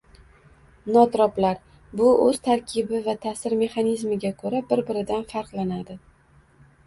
Nootroplar – bu o‘z tarkibi va ta’sir mexanizmiga ko‘ra bir-biridan farqlanadi.